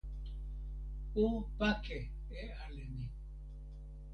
o pake e ale ni!